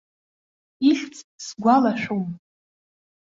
Ихьӡ сгәалашәом.